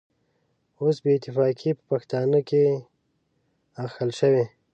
اوس بې اتفاقي په پښتانه کې اخښل شوې.